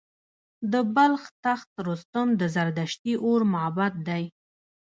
د بلخ تخت رستم د زردشتي اور معبد دی